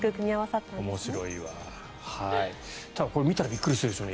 ただ、見たらびっくりするでしょうね。